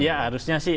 iya harusnya sih